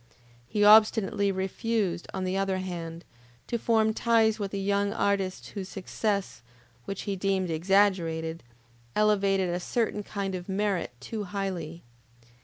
He obstinately refused, on the other hand, to form ties with the young artists whose success, which he deemed exaggerated, elevated a certain kind of merit too highly.